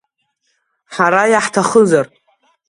Ҳара иаҳҭахызар?